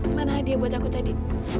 mana hadiah buat aku tadi